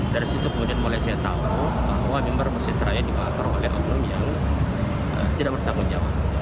dari situ kemudian mulai saya tahu bahwa mimbar masjid raya dibakar oleh oknum yang tidak bertanggung jawab